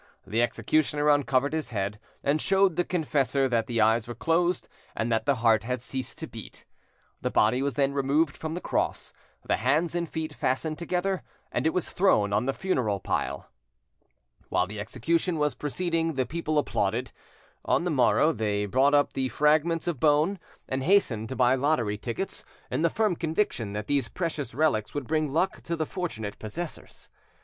The executioner uncovered his head and showed the confessor that the eyes were closed and that the heart had ceased to beat. The body was then removed from the cross, the hands and feet fastened together, and it was thrown on the funeral pile. While the execution was proceeding the people applauded. On the morrow they bought up the fragments of bone, and hastened to buy lottery tickets, in the firm conviction that these precious relics would bring luck to the fortunate possessors!